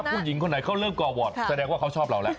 ถ้าผู้หญิงคนไหนเขาเริ่มก่อหวอดสรรค์ว่าเขาชอบเราแหละ